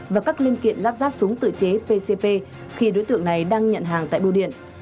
và các linh kiện lắp ráp súng tự chế pcp khi đối tượng này đang nhận hàng tại bưu điện